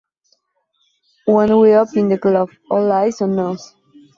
When we up in the club, all eyes on us.